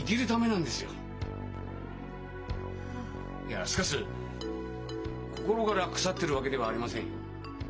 いやしかし心から腐ってるわけではありませんよ。